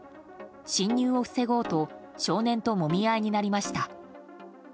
侵入を防ごうと少年ともみ合いになりました。